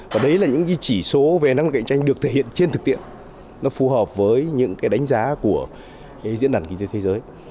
và đấy là những cái chỉ số về năng lực cạnh tranh được thể hiện trên thực tiện nó phù hợp với những cái đánh giá của diễn đàn kinh tế thế giới